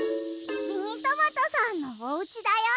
ミニトマトさんのおうちだよ。